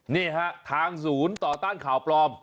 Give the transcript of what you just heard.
นี่ฮะทางศูนย์ต่อต้านข่าวปลอม